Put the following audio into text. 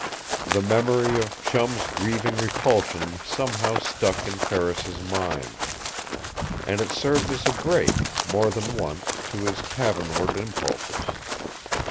The memory of Chum's grieving repulsion somehow stuck in Ferris's mind. And it served as a brake, more than once, to his tavernward impulses.